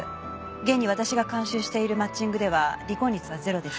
現に私が監修しているマッチングでは離婚率はゼロです。